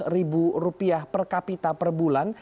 empat ratus ribu rupiah per kapita per bulan